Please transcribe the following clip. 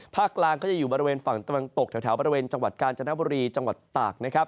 กลางก็จะอยู่บริเวณฝั่งตะวันตกแถวบริเวณจังหวัดกาญจนบุรีจังหวัดตากนะครับ